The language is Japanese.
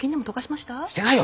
してないよ